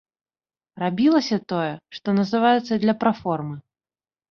Рабілася тое, што называецца, для праформы.